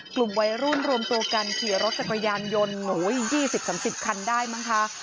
กลุ่มวัยรุ่นรวมตัวกันขี่รถจักรยานยนต์๒๐๓๐คันได้มั้งคะ